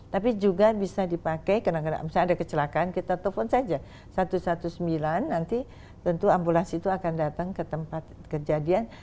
tapi juga bisa dipakai karena misalnya ada kecelakaan kita telepon saja satu ratus sembilan belas nanti tentu ambulans itu akan datang ke tempat kejadian